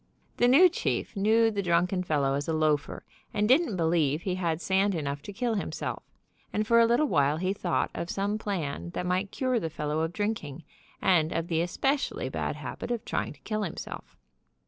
The new chief knew the drunken fel low as a loafer, and didn't believe he had sand enough to kill himself, and for a little while he thought of some plan that might cure the fellow of drinking, and of the especially bad habit of tryfng to kill himself.